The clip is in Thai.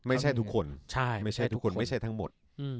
ไม่ใช่ทุกคนไม่ใช่ทั้งหมด